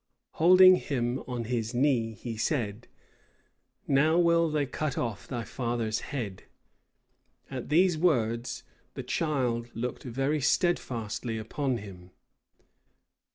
Holding him on his knee, he said, "Now they will cut off thy father's head." At these words, the child looked very steadfastly upon him.